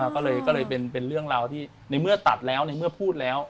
ก็เลยเป็นเรื่องราวที่ในเมื่อตัดแล้วในเมื่อพูดแล้ว